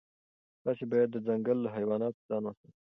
تاسي باید د ځنګل له حیواناتو ځان وساتئ.